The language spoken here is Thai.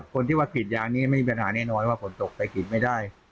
คนที่ว่าผิดอย่างนี้ไม่มีปัญหาแน่น้อยว่าผลตกไปผิดไม่ได้